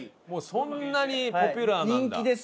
そんなにポピュラーなんだ。